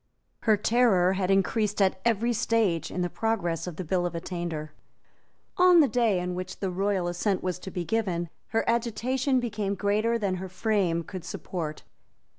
Her terror had increased at every stage in the progress of the Bill of Attainder. On the day on which the royal assent was to be given, her agitation became greater than her frame could support.